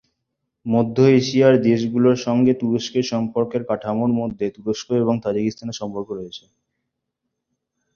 মধ্য এশিয়ার দেশগুলোর সাথে তুরস্কের সম্পর্কের কাঠামোর মাধ্যমে, তুরস্ক এবং তাজিকিস্তানের সম্পর্ক রয়েছে।